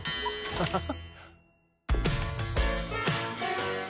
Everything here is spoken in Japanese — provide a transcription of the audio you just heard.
アハハ。